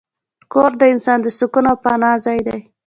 کور د انسان د سکون او پناه ځای دی.